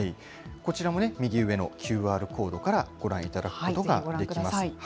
こちらも右上のＱＲコードからご覧いただくことができます。